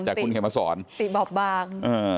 จ้างคุณเขมาสอนติบบบาง